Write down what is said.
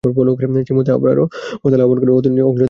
সেই মুহূর্তে আবারও হরতাল আহ্বান অর্থনীতির অগ্রযাত্রাকে ব্যাহত করবে।